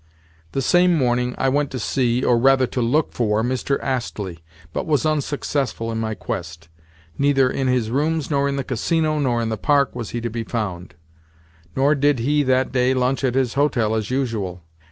The same morning I went to see—or, rather, to look for—Mr. Astley, but was unsuccessful in my quest. Neither in his rooms nor in the Casino nor in the Park was he to be found; nor did he, that day, lunch at his hotel as usual.